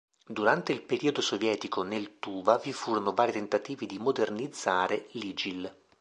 Durante il periodo sovietico nel Tuva vi furono vari tentativi di "modernizzare" l'igil.